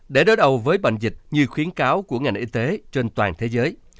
để đối đầu với bệnh dịch như khuyến cáo của ngành y tế trên toàn thế giới